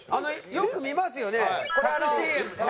よく見ますよねＣＭで。